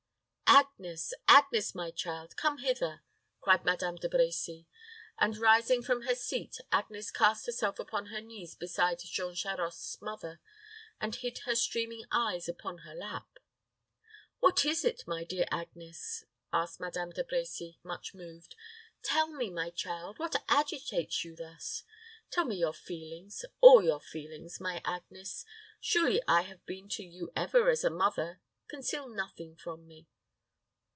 "Agnes, Agnes my child, come hither," cried Madame De Brecy; and rising from her seat, Agnes cast herself upon her knees beside Jean Charost's mother, and hid her streaming eyes upon her lap. "What is it, my dear Agnes?" asked Madame De Brecy, much moved. "Tell me, my child; what agitates you thus? Tell me your feelings all your feelings, my Agnes. Surely I have been to you ever as a mother: conceal nothing from me."